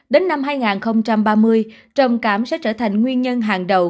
đến năm hai nghìn ba mươi trầm cảm sẽ trở thành nguyên nhân hàng đầu